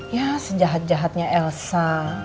ya sejahat jahatnya elsa